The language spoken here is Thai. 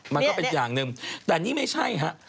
มันก็เป็นอย่างหนึ่งแต่นี่ไม่ใช่ฮะ